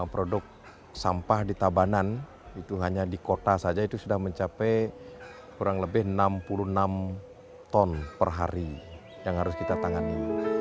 produk sampah di tabanan itu hanya di kota saja itu sudah mencapai kurang lebih enam puluh enam ton per hari yang harus kita tangani